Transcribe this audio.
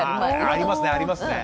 ありますねありますね。